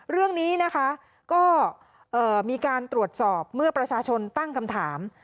เรื่องนี้นะคะก็มีการตรวจสอบเมื่อประชาชนตั้งคำถาม